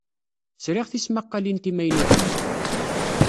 Sriɣ tismaqqalin timaynutin.